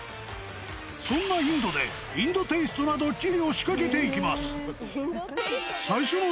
そんなインドで、インドテイストなドッキリを仕掛けていきます。